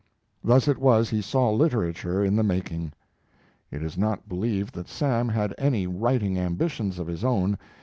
Thus it was he saw literature in the making. It is not believed that Sam had any writing ambitions of his own.